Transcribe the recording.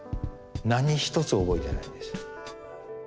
何一つ覚えてないんですよ。